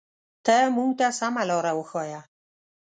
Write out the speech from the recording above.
ته مونږ ته سمه لاره وښایه.